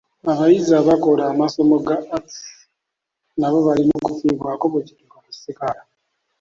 Abayizi akola amasomo ga atisi nabo balina okufiibwako bwe kituuka ku sikaala.